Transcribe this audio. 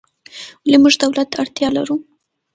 ولې موږ دولت ته اړتیا لرو؟